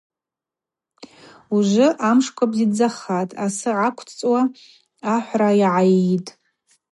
Ужвы амш бзидздзахатӏ, асы ъаквцӏуа ахӏвра гӏайитӏ.